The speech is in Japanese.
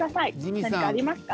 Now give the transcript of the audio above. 何かありますか？